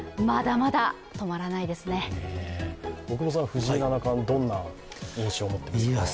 藤井七冠、どんな印象持っていますか？